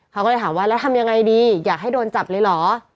เขาก็เลยถามว่าแล้วทำยังไงดีอยากให้โดนจับเลยเหรอ